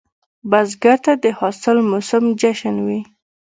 بزګر ته د حاصل موسم جشن وي